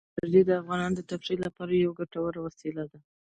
بادي انرژي د افغانانو د تفریح لپاره یوه ګټوره وسیله ده.